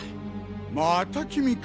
また君か。